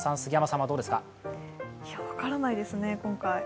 いや、分からないですね、今回。